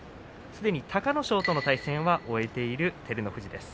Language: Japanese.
すでに隆の勝との対戦は終えています。